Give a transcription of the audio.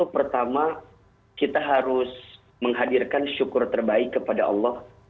pertama kita harus menghadirkan syukur terbaik kepada allah